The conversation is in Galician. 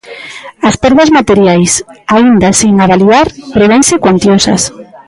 As perdas materiais, aínda sen avaliar, prevense cuantiosas.